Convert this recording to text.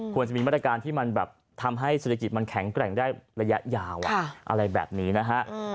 ควรจะมีมาตรการที่มันแบบทำให้เศรษฐกิจมันแข็งแกร่งได้ระยะยาวอะไรแบบนี้นะฮะ